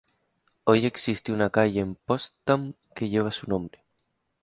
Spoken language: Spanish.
Hoy existe una calle en Potsdam que lleva su nombre.